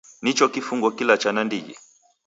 Nicho kifungo kilacha nandighi.